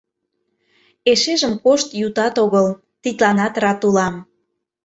Эшежым кошт ютат огыл, тидланат рат улам.